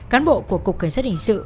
cán bộ của cục cảnh sát hình sự